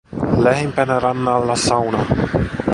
Lähimpänä rannalla sauna.